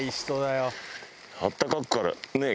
あったかいからねえ。